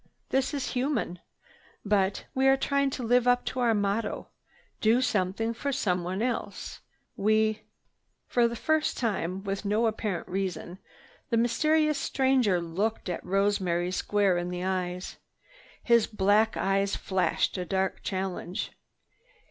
This is human. But we are trying to live up to our motto: 'Do something for someone else.' We—" For the first time, with no apparent reason, the mysterious stranger looked Rosemary square in the eyes. His black eyes flashed a dark challenge.